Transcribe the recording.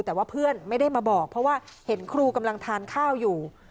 แต่ว่าเพื่อนไม่ได้มาบอกเพราะว่าเห็นครูกำลังทานข้าวอยู่